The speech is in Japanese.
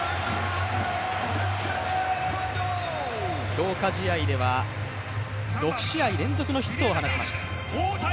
強化試合では６試合連続のヒットを放ちました。